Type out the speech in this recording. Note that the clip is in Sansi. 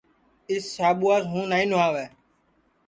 اِس ساٻواس ہوں نائی نھواوے